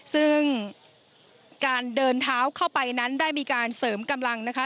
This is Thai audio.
ซึ่งการเดินเท้าเข้าไปนั้นได้มีการเสริมกำลังนะคะ